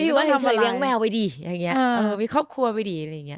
อยู่บ้านเฉยเลี้ยงแมวไปดีมีครอบครัวไปดี